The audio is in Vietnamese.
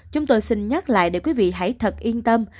chúng tôi xin nhắc lại để quý vị hãy thật yên tâm